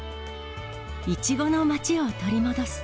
イチゴの町を取り戻す。